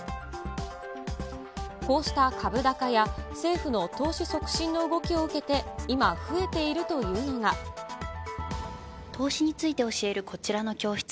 こうした株高や政府の投資促進の動きを受けて、今、増えていると投資について教えるこちらの教室。